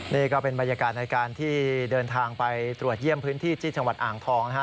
นี่ก็เป็นบรรยากาศในการที่เดินทางไปตรวจเยี่ยมพื้นที่ที่จังหวัดอ่างทองนะฮะ